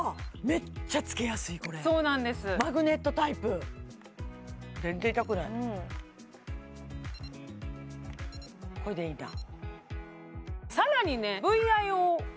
メッチャつけやすいこれそうなんですマグネットタイプ全然痛くないこれでいいんだ